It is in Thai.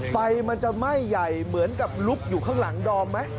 ไฟมันจะไหม้ใหญ่เหมือนกับลุกอยู่ข้างหลังดอมไหม